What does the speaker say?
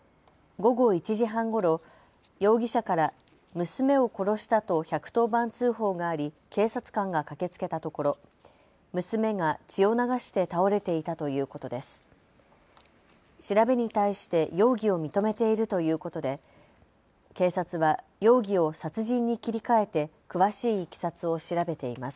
午後１時半ごろ、容疑者から娘を殺したと１１０番通報があり警察官が駆けつけたところ、娘が血を流して倒れていたということです。